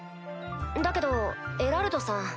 だけどエラルドさん。